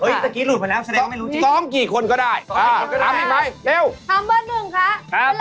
เฮ้ยตะกี้หลุดไปแล้วแสดงไม่รู้จริง